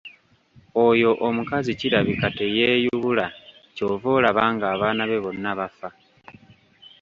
Oyo omukazi kirabika teyeeyubula ky'ova olaba ng'abaana be bonna bafa.